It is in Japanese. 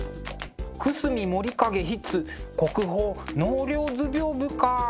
久隅守景筆国宝「納涼図屏風」か。